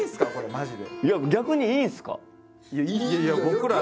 マジで。